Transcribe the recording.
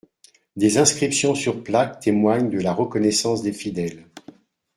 Des inscriptions sur plaques témoignent de la reconnaissance des fidèles.